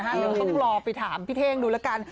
เพื่อต้องรอไปถามพี่เทงดูกัน